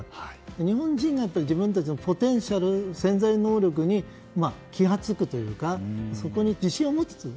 日本人が自分たちのポテンシャル潜在能力に気が付くというか自信が持てる